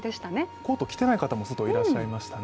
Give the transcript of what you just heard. コート着てない方も外、いらっしゃいましたね。